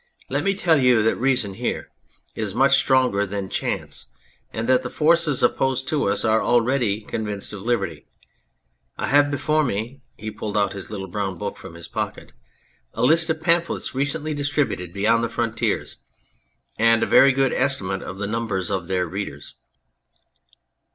Let me tell you that reason here is much stronger than chance, and that the forces opposed to us are already convinced of liberty. I have before me " (he pulled out his little brown book from his pocket) " a list of pamphlets recently distributed beyond the frontiers, 276 The Judgment of Robespierre and a very good estimate of the numbers of their readers."